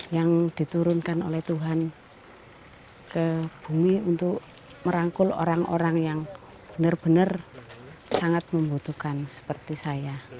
yang diturunkan oleh tuhan ke bumi untuk merangkul orang orang yang benar benar sangat membutuhkan seperti saya